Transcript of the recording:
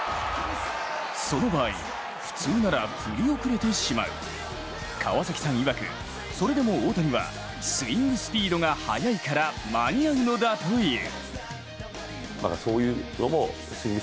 その場合、普通なら振り遅れてしまう川崎さんいわく、それでも大谷はスイングスピードが速いから間に合うのだという。